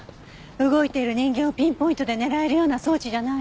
動いている人間をピンポイントで狙えるような装置じゃない。